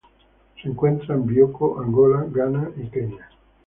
Se encuentra en Bioko, Angola, Ghana y Kenia.